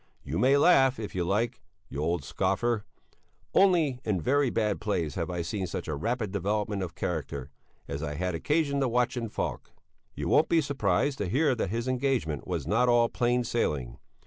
You may laugh if you like, you old scoffer! Only in very bad plays have I seen such a rapid development of character, as I had occasion to watch in Falk. You won't be surprised to hear that his engagement was not all plain sailing.